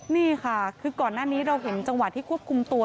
นี่ค่ะคือก่อนหน้านี้เราเห็นจังหวะที่ควบคุมตัว